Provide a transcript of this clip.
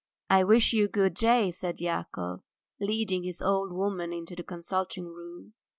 "I wish you good day," said Yakov, leading his old woman into the consulting room.